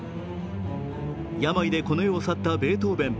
病でこの世を去ったベートーベン。